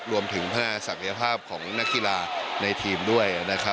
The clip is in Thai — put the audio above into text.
รวมถึงพัฒนาศักยภาพของนักกีฬาในทีมด้วยนะครับ